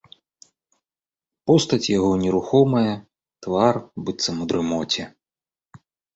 Постаць яго нерухомая, твар быццам у дрымоце.